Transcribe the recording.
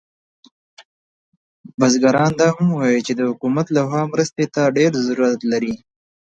بزګران دا هم وایي چې د حکومت له خوا مرستې ته ډیر ضرورت لري